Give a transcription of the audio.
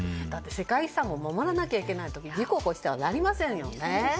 世界遺産を守らなきゃいけないので事故を起こしてはなりませんよね。